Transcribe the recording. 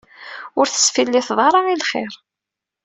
Ur tesfilliteḍ ara i lxir.